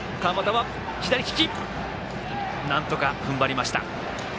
なんとか、ふんばりました。